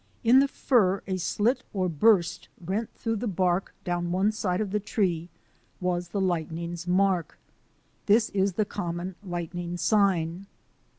In the fir a slit or burst rent through the bark down one side of the tree was the lightning's mark. This is the common lightning sign.